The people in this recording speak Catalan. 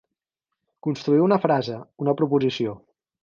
Construir una frase, una proposició.